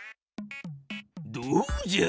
どうじゃ？